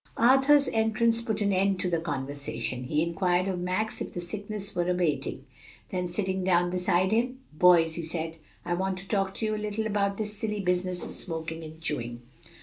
Arthur's entrance put an end to the conversation. He inquired of Max if the sickness were abating; then sitting down beside him, "Boys," he said, "I want to talk to you a little about this silly business of smoking and chewing."